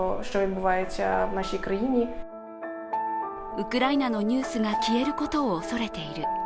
ウクライナのニュースが消えることを恐れている。